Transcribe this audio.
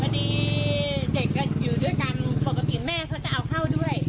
เด็กก็อยู่ด้วยกันปกติแม่เขาจะเอาเข้าด้วย